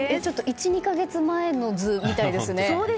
１２か月前の図みたいですね。